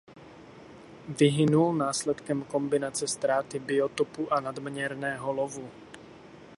Vyhynul následkem kombinace ztráty biotopu a nadměrného lovu.